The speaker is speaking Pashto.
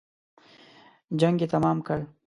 جنګ یې تمام کړ.